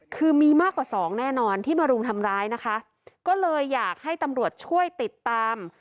คือมีมากกว่าสองแน่นอนที่มารุมทำร้ายนะคะก็เลยอยากให้ตำรวจช่วยติดตาม